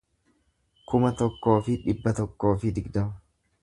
kuma tokkoo fi dhibba tokkoo fi digdama